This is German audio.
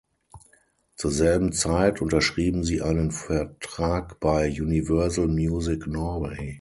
Zur selben Zeit unterschrieben sie einen Vertrag bei "Universal Music Norway".